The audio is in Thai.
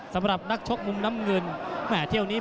สำหรับนักชกมุมน้ำเงิน